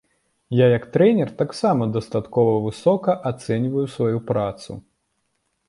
Я як трэнер таксама дастаткова высока ацэньваю сваю працу.